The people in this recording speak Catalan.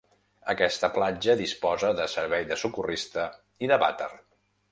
Aquesta platja disposa de servei de socorrista i de vàter.